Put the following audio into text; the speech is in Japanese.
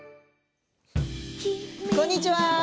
こんにちは。